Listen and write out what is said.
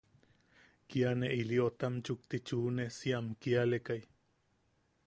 Kia ne ilí otam chukti chune, si am kialekai.